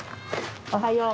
おはよう。